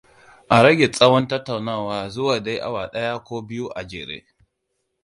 A rage tsawon tattaunawa zuwa dai awa daya ko biyu a jere.